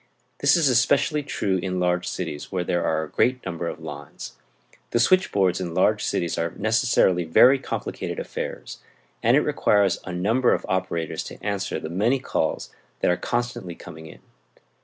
This is especially true in large cities, where there are a great number of lines. The switchboards in large cities are necessarily very complicated affairs, and it requires a number of operators to answer the many calls that are constantly coming in.